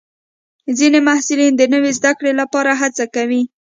ځینې محصلین د نوي زده کړې لپاره هڅه کوي.